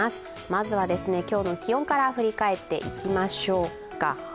まずは今日の気温から振り返っていきましょうか。